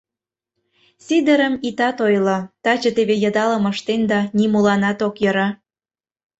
Сидырым итат ойло: таче теве йыдалым ыштен да, нимоланат ок йӧрӧ.